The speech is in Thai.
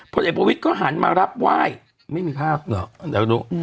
พลเอกประวิทย์ก็หันมารับไหว้ไม่มีภาพเหรอเดี๋ยวดู